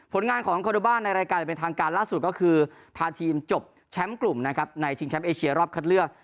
งานของคอโดบาในรายการอย่างเป็นทางการล่าสุดก็คือพาทีมจบแชมป์กลุ่มนะครับในชิงแชมป์เอเชียรอบคัดเลือก